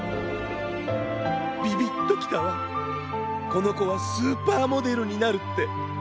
ビビッときたわこのこはスーパーモデルになるって。